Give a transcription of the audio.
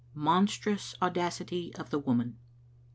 — MONSTROUS AUDACITY OF THE WOMAN.